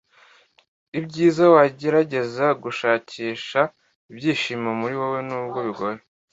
Ibyiza wagerageza gushakisha ibyishimo muri wowe n’ubwo bigoye